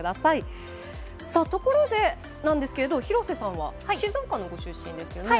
ところで、広瀬さんは静岡県のご出身でしたね。